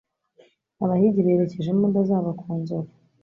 Abahigi berekeje imbunda zabo ku nzovu.